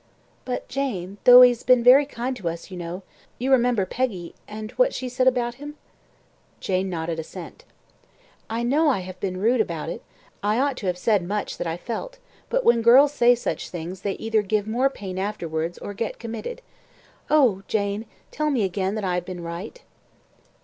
"But, Jane, though he has been very kind to us, you know you remember Peggy, and what she said about him?" Jane nodded assent. "I know I have been rude about it. I ought to have said much that I felt, but when girls say such things they either give more pain afterwards, or get committed. Oh! Jane, tell me again that I have been right."